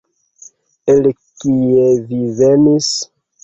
El kie li venis?